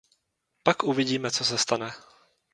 Pak uvidíme, co se stane.